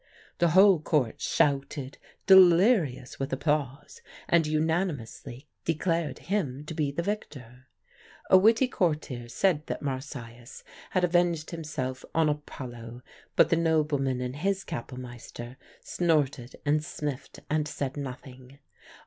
The whole Court shouted, delirious with applause, and unanimously declared him to be the victor. A witty courtier said that Marsyas had avenged himself on Apollo; but the nobleman and his Kapellmeister snorted and sniffed and said nothing.